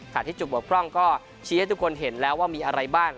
ที่จุดบกพร่องก็ชี้ให้ทุกคนเห็นแล้วว่ามีอะไรบ้าง